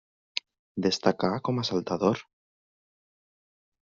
Destacà com a saltador.